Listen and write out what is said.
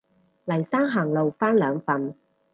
黎生行路返兩份